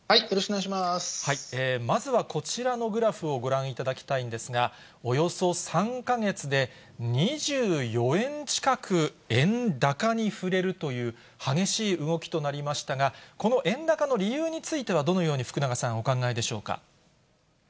まずはこちらのグラフをご覧いただきたいんですが、およそ３か月で、２４円近く円高に振れるという、激しい動きとなりましたが、この円高の理由については、どのように福永さん、お考えでしょうか。